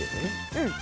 うん。